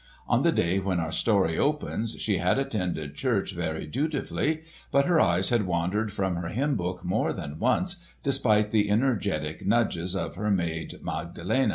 On the day when our story opens, she had attended church very dutifully, but her eyes had wandered from her hymn book more than once despite the energetic nudges of her maid Magdalen.